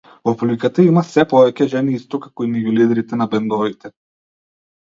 Во публиката има сѐ повеќе жени, исто како и меѓу лидерите на бендовите.